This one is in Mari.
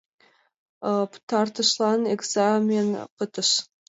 Пытартышлан экзамен пытыш.